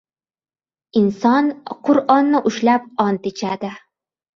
Inson Qur’onni ushlab ont ichadi.